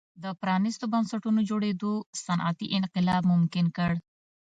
د پرانیستو بنسټونو جوړېدو صنعتي انقلاب ممکن کړ.